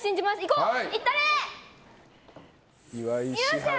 よっしゃー！